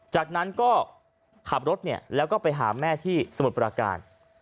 จากนั้นก็ขับรถแล้วก็ไปหาแม่ที่สมุทรปราการ